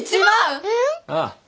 ああ。